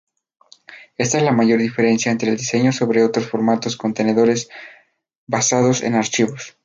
Esta es la mayor diferencia en diseño sobre otros formatos contenedores basados en archivo.